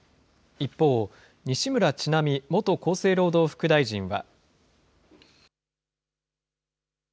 一方、西村智奈美元厚生労働副大臣は。